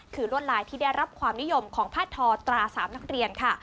คือลวดลายที่ได้รับความนิยมของผ้าทอตรา๓นักเรียนค่ะ